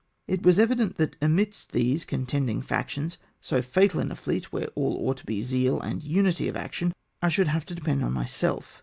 It was evident that amidst these contending factions, so fatal in a fleet where all ought to be zeal and unity of action — I should have to depend on myself.